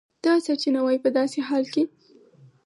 دغه سرچینه وایي په داسې حال کې